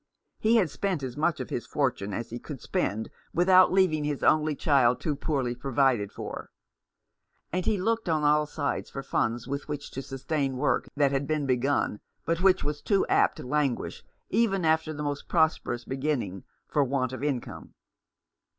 He had spent as much of his fortune as he could spend without leaving his only child too poorly pro vided for ; and he looked on all sides for funds with which to sustain work that had been begun, but which was too apt to languish, even after the 351 Rough Justice. most prosperous beginning, for want of income.